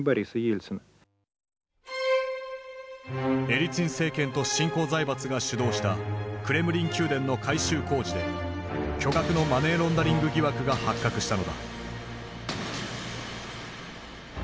エリツィン政権と新興財閥が主導したクレムリン宮殿の改修工事で巨額のマネーロンダリング疑惑が発覚したのだ。